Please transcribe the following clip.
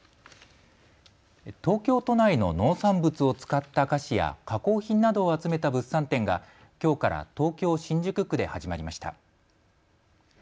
東京都内の農産物を使った菓子や加工品などを集めた物産展がきょうから東京新宿区で始まりました。